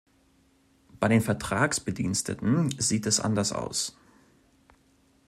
Bei den Vertragsbediensteten sieht es anders aus.